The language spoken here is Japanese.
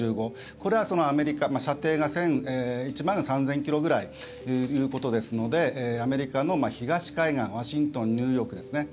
これはアメリカ射程が１万３０００ｋｍぐらいということですのでアメリカの東海岸ワシントン、ニューヨークですね